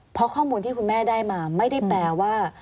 เพราะข้อมูลที่คุณแม่ได้มาไม่ได้แปลว่า